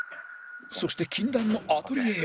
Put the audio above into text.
そして禁断のアトリエへ